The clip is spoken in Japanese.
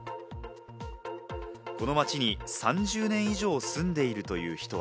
この町に３０年以上住んでいるという人は。